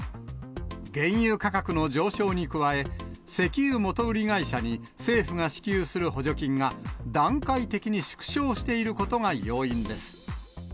原油価格の上昇に加え、石油元売り会社に、政府が支給する補助金が、段階的に縮小していることが要因です。